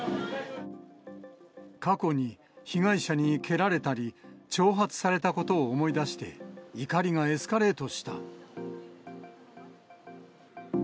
過去に被害者に蹴られたり、挑発されたことを思い出して、怒りがエスカレートした。